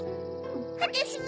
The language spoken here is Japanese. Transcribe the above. わたしも！